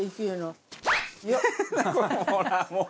ほらもう。